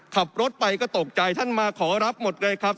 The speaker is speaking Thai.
ขับรถไปก็ตกใจท่านมาขอรับหมดเลยครับ